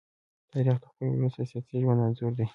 تاریخ د خپل ولس د سیاسي ژوند انځور دی.